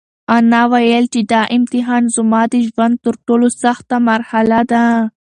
انا وویل چې دا امتحان زما د ژوند تر ټولو سخته مرحله ده.